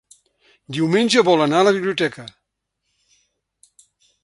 Diumenge vol anar a la biblioteca.